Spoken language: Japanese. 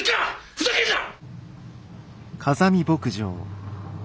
ふざけんな！